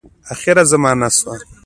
آخره زمانه سوه .